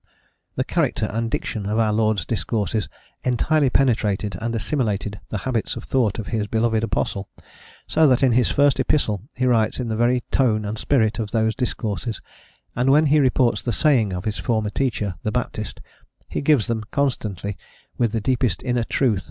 "The character and diction of our Lord's discourses entirely penetrated and assimilated the habits of thought of His beloved Apostle; so that in his first epistle he writes in the very tone and spirit of those discourses; and when reporting the sayings of his former teacher, the Baptist, he gives them, consistently with the deepest inner truth